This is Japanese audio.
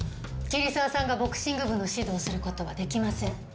桐沢さんがボクシング部の指導をする事はできません。